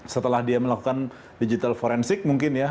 setelah dia melakukan digital forensik mungkin ya